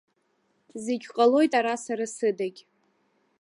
Зегь ҟалоит ара сара сыдагь.